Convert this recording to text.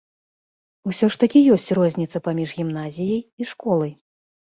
Усё ж такі ёсць розніца паміж гімназіяй і школай.